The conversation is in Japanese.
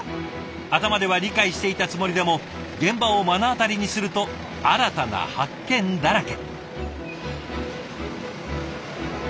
頭では理解していたつもりでも現場を目の当たりにすると新たな発見だらけ！